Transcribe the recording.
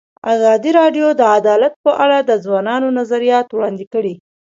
ازادي راډیو د عدالت په اړه د ځوانانو نظریات وړاندې کړي.